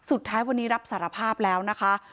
สุดท้ายวันนี้รับสารภาพแล้วนะคะ